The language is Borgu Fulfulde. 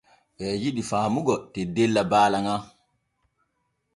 Ɓee jidi faamugo teddella baala ŋal.